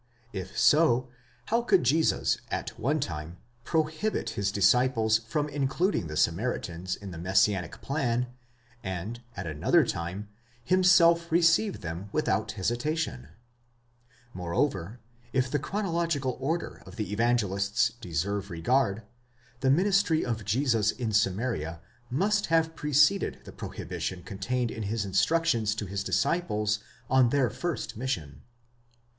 If so, how could Jesus at one time prohibit his disciples from including the Samaritans in the messianic plan, and at another time, himself receive them without hesitation ? Moreover, if the chronological order of the Evangelists deserve regard, the ministry of Jesus in Samaria must have preceded the prohibition contained in his instructions to his disciples on their first mission.